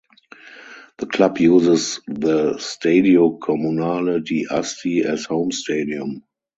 The club uses the Stadio Comunale di Asti as home stadium.